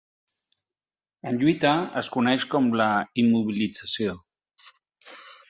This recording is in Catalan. En lluita es coneix com la immobilització.